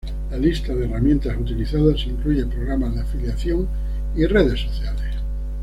La lista de herramientas utilizadas incluye programas de afiliación y redes sociales.